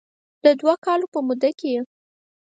د دوه کالو په موده کې یې